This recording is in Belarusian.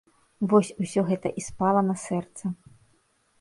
Вось усё гэта і спала на сэрца.